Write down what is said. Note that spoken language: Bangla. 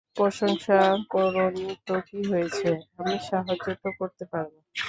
প্রসংসা করো নি তো কি হয়েছে, আমি সাহায্য তো করতে পারবো।